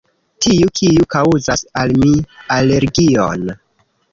Tiu, kiu kaŭzas al mi alergion...